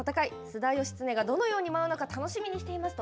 菅田義経がどのように舞うのか楽しみにしています。